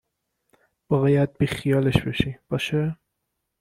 باید بیخیالش بشی باشه؟